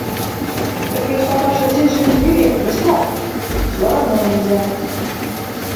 – Так ведь, папаша, здесь же без билета, бесплатно! – Все равно нельзя.